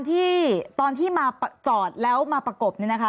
ตอนที่มาจอดแล้วมาประกบ